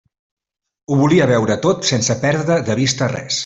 Ho volia veure tot sense perdre de vista res.